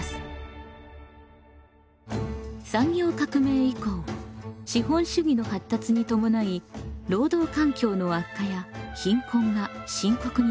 産業革命以降資本主義の発達に伴い労働環境の悪化や貧困が深刻になりました。